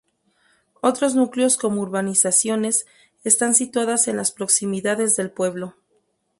Otros núcleos como urbanizaciones, están situadas en las proximidades del pueblo.